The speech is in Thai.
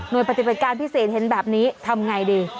โดยปฏิบัติการพิเศษเห็นแบบนี้ทำไงดี